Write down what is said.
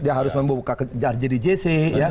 dia harus membuka kejar jadi jc